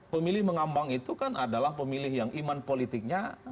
pemilih mengambang itu kan adalah pemilih yang iman politiknya